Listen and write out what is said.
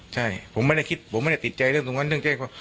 ใช่ผมไม่ได้คิดผมไม่ได้ติดใจเรื่องตรงนั้นเรื่องแจ้งความ